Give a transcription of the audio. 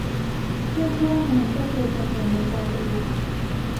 เพื่อนร่วมงานก็เจอกันแต่ในจอเป็นหลัก